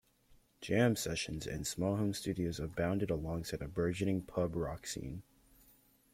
Jam sessions and small home studios abounded alongside a burgeoning pub rock scene.